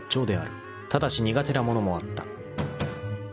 ［ただし苦手な物もあった］